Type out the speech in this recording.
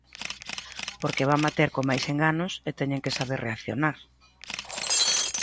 Porque van bater con máis Enganos e teñen que saber reaccionar.